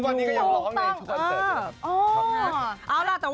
ทุกวันนี้อยู่ข้างในทุกเปิดเซอร์ต์